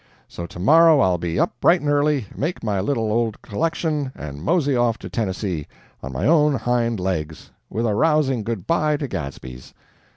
So tomorrow I'll be up bright and early, make my little old collection, and mosey off to Tennessee, on my own hind legs, with a rousing good by to Gadsby's.'